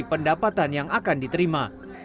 pendapatan yang akan diterima